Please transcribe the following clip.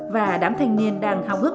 và đám thanh niên đang hào hức